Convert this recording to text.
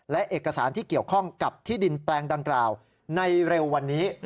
และเอกสารที่เกี่ยวข้องกับที่ดินแปลงดังกล่าวในเร็ววันนี้